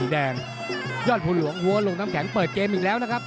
แดงยอดภูหลวงหัวลงน้ำแข็งเปิดเกมอีกแล้วนะครับ